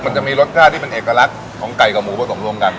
มันจะมีรสชาติที่เป็นเอกลักษณ์ของไก่กับหมูผสมร่วมกัน